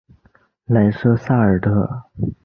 莱瑟萨尔特。